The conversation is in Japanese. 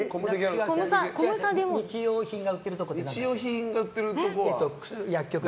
日用品が売ってるところ？